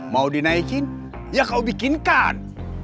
mau dinaikin ya kau bikinkan